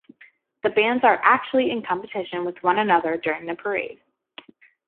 The bands are actually in competition with one another during the parade.